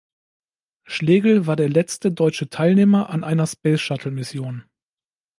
Schlegel war der letzte deutsche Teilnehmer an einer Space-Shuttle-Mission.